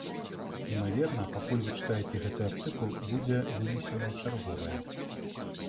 Імаверна, пакуль вы чытаеце гэты артыкул, будзе вынесенае чарговае.